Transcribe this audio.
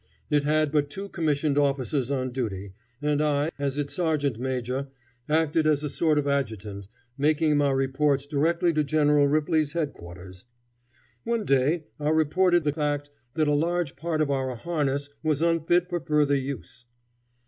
It had but two commissioned officers on duty, and I, as its sergeant major, acted as a sort of adjutant, making my reports directly to General Ripley's head quarters. One day I reported the fact that a large part of our harness was unfit for further use.